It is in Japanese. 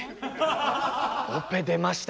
オペ出ました